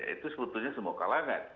itu sebetulnya semua kalangan